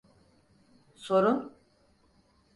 Sorun…